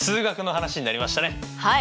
はい。